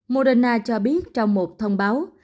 moderna cho biết trong một thông báo